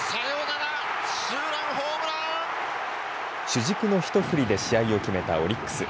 主軸のひと振りで試合を決めたオリックス。